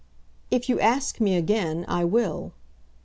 "If you ask me again, I will."